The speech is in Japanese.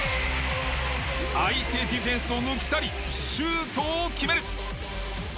相手ディフェンスを抜き去りシュートを決める！